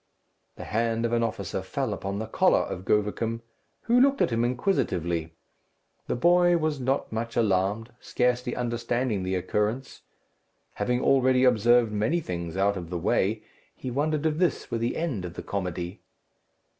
The hand of an officer fell upon the collar of Govicum, who looked at him inquisitively. The boy was not much alarmed, scarcely understanding the occurrence; having already observed many things out of the way, he wondered if this were the end of the comedy.